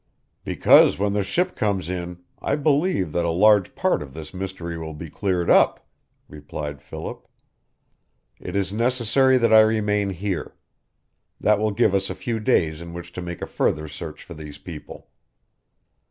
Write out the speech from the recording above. "Because when the ship comes in I believe that a large part of this mystery will be cleared up," replied Philip. "It is necessary that I remain here. That will give us a few days in which to make a further search for these people."